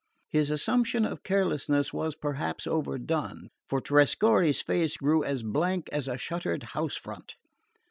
His assumption of carelessness was perhaps overdone; for Trescorre's face grew as blank as a shuttered house front.